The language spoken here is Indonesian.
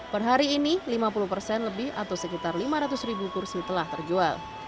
perhari ini lima puluh lebih atau sekitar rp lima ratus kursi telah terjual